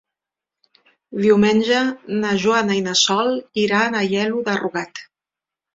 Diumenge na Joana i na Sol iran a Aielo de Rugat.